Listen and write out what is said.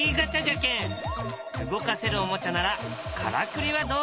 動かせるおもちゃならからくりはどう？